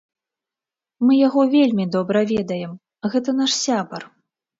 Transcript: Мы яго вельмі добра ведаем, гэта наш сябар.